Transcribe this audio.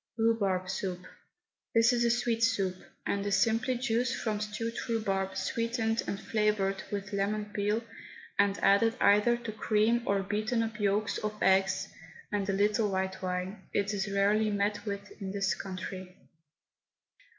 RHUBARB SOUP. This is a sweet soup, and is simply juice from stewed rhubarb sweetened and flavoured with lemon peel and added either to cream or beaten up yolks of eggs and a little white wine. It is rarely met with in this country.